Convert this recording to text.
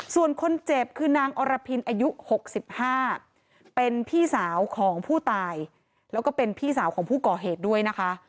ส่วนคนเจ็บคือนางอรพินอายุ๖๕เป็นพี่สาวของผู้ตายแล้วก็เป็นพี่สาวของผู้ก่อเหตุด้วยนะคะ